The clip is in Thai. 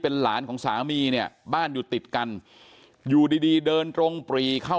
หลานของสามีเนี่ยบ้านอยู่ติดกันอยู่ดีดีเดินตรงปรีเข้า